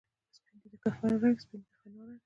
سپین دی د کفن رنګ، سپین دی د فنا رنګ